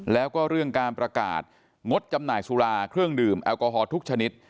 แล้วก็เรื่องการประกาศงดจำหน่ายสุราเครื่องดื่มแอลกอฮอลทุกชนิด